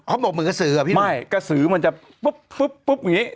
บอกเหมือนกระสืออ่ะพี่ไม่กระสือมันจะปุ๊บปุ๊บปุ๊บอย่างงี้